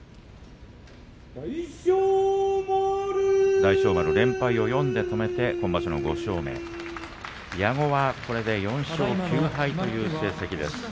大翔丸、連敗を４で止めて今場所も５勝目矢後はこれで４勝９敗という成績です。